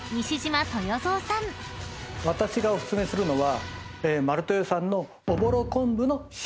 私がお薦めするのは。